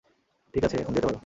ঠিক আছে, এখন যেতে পারো।